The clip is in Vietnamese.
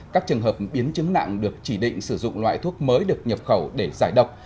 các trường hợp biến chứng nặng được chỉ định sử dụng loại thuốc mới được nhập khẩu để giải độc